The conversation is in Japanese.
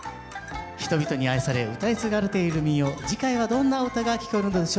人々に愛されうたい継がれている民謡次回はどんな唄が聞こえるのでしょう。